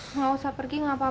nggak usah pergi nggak apa apa